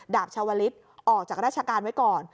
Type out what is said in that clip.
ชาวลิศออกจากราชการไว้ก่อน